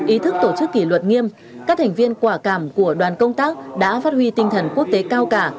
ý thức tổ chức kỷ luật nghiêm các thành viên quả cảm của đoàn công tác đã phát huy tinh thần quốc tế cao cả